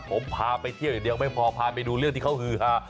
ผมพาไปเที่ยวอย่างเดียวไม่พอพาไปดูเรื่องที่เขาฮือฮา